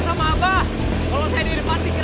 nama ayah seorang meu pria daripada berselasses